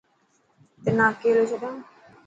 تنا اڪليو ڇڏان؟